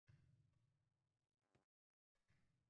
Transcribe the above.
Sen yonasan, men o’rtanaman